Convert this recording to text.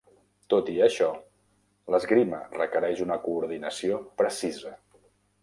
Tot i això, l'esgrima requereix una coordinació precisa.